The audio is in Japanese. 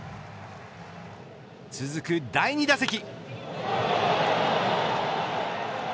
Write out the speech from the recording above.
続く第２打席。